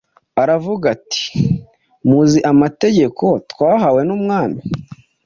Aravuga ati: “Muzi amategeko twahawe n’Umwami